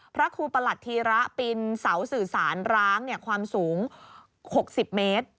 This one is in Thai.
พระครูประหลัดธีระปินเสาสื่อสารร้างความสูง๖๐เมตร